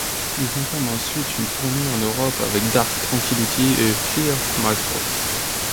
Ils entament ensuite une tournée en Europe avec Dark Tranquillity et Fear My Thoughts.